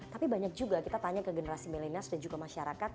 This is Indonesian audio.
tapi banyak juga kita tanya ke generasi milenials dan juga masyarakat